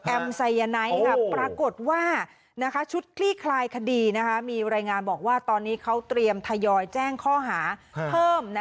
ไซยาไนท์ปรากฏว่าชุดคลี่คลายคดีมีรายงานบอกว่าตอนนี้เขาเตรียมทยอยแจ้งข้อหาเพิ่ม